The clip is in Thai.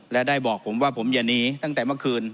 และได้บอกผมว่าผมอย่าหนีตั้งแต่เมื่อคืน